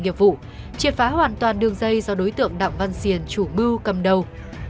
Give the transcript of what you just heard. nghiệp vụ triệt phá hoàn toàn đường dây do đối tượng đặng văn xiên chủ mưu cầm đầu